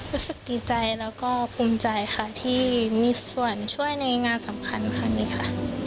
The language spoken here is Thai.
รู้สึกดีใจแล้วก็ภูมิใจค่ะที่มีส่วนช่วยในงานสำคัญครั้งนี้ค่ะ